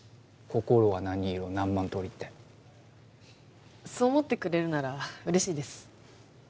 「心は何色、何万通り」ってそう思ってくれるなら嬉しいです